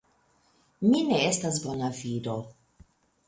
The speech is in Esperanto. Mi ne estas bona viro.